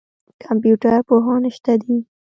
کمپیوټر پوهان شته دي.